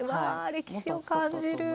歴史を感じる。